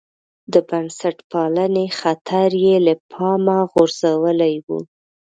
د بنسټپالنې خطر یې له پامه غورځولی و.